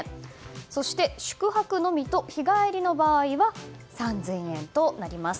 そして宿泊のみと日帰りの場合は３０００円となります。